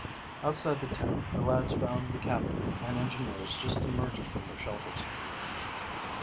Outside the tent the lads found the Captain and engineers just emerging from their shelters.